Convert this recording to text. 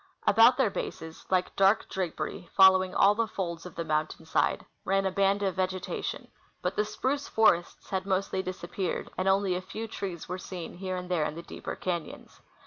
About their bases, like Landing Amid Icebergs. 85 dark drapery, following all the folds of the mountain side, ran a band of vegetation ; but the spruce forests had mostly disap peared, and only a few trees were seen here and there in the deeper cafions.